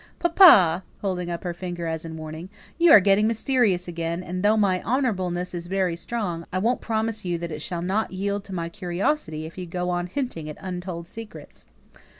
"Papa!" holding up her finger as in warning, "you're getting mysterious again; and though my honourableness is very strong, I won't promise that it shall not yield to my curiosity if you go on hinting at untold secrets."